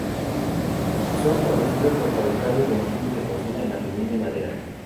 Son conocidos por fabricar utensilios de cocina en aluminio y madera.